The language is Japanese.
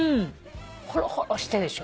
ホロホロしてるでしょ。